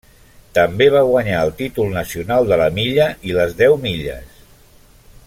També va guanyar el títol nacional de la milla i les deu milles.